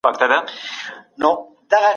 جامي مینځونکي د چای داغ پاک کړ.